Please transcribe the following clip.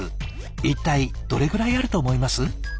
一体どれぐらいあると思います？